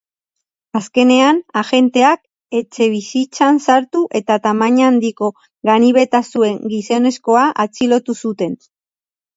Azkenean, agenteak etxebizitzan sartu eta tamaina handiko ganibeta zuen gizonezkoa atxilotu zuten.